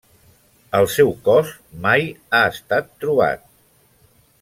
El seu cos mai ha estat trobat.